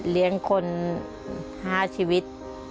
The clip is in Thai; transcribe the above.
เลี้ยงคน๕ชีวิต